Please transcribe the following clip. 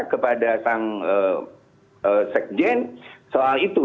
kepada sang sekjen soal itu